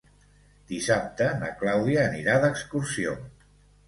Dissabte na Clàudia anirà d'excursió.